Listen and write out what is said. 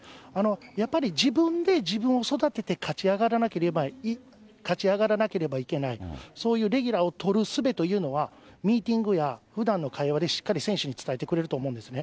やっぱり自分で自分を育てて勝ち上がらなければいけない、そういうレギュラーを取るすべというのは、ミーティングやふだんの会話で、しっかり選手に伝えてくれると思うんですね。